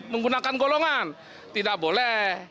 menggunakan golongan tidak boleh